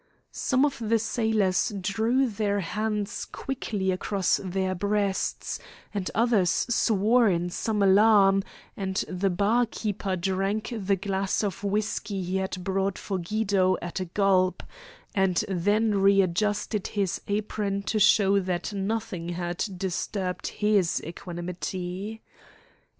Some of the sailors drew their hands quickly across their breasts, and others swore in some alarm, and the bar keeper drank the glass of whiskey he had brought for Guido at a gulp, and then readjusted his apron to show that nothing had disturbed his equanimity.